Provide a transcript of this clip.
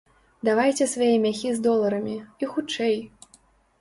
Давайце свае мяхі з доларамі, і хутчэй!